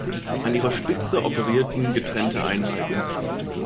An ihrer Spitze operierten getrennte Einheiten.